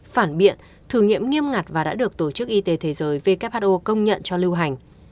phản biện thử nghiệm nghiêm ngặt và đã được tổ chức y tế thế giới who công nhận cho lưu hành